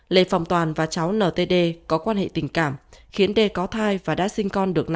lê phòng toàn và cháu ntd có quan hệ tình cảm khiến đê có thai và đã sinh con được